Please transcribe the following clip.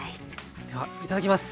ではいただきます。